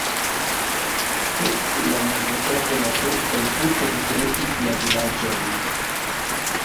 Post la mezepoko la turkoj tute detruis la vilaĝon.